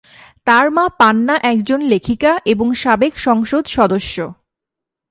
তার মা পান্না একজন লেখিকা এবং সাবেক সংসদ সদস্য।